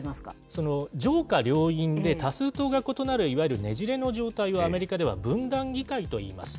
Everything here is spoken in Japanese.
その上下両院で、多数党が異なるいわゆるねじれの状態をアメリカでは分断議会といいます。